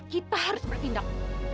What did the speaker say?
kita harus bertindak